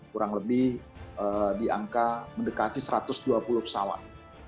kurang lebih di angka mendekati satu ratus dua puluh pesawat